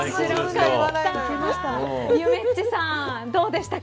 ゆめっちさん、どうでしたか。